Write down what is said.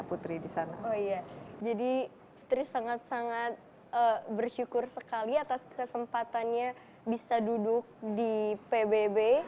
oh iya jadi putri sangat sangat bersyukur sekali atas kesempatannya bisa duduk di pbb